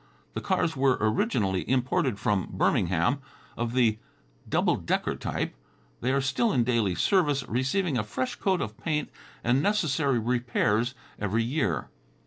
The cars were originally imported from Birmingham, of the double decker type. They are still in daily service, receiving a fresh coat of paint and necessary repairs every year.